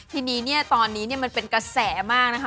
ทีนี้ตอนนี้มันเป็นกระแสมากนะครับ